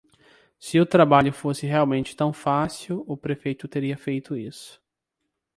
Se o trabalho fosse realmente tão fácil, o prefeito teria feito isso.